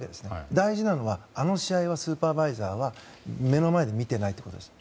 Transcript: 大事なのは、あの試合をスーパーバイザーは目の前で見ていないということです。